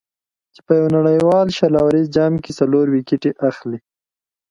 چې په یو نړیوال شل اوریز جام کې څلور ویکټې اخلي.